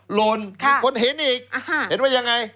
หล่นมีคนเห็นอีกเห็นว่ายังไง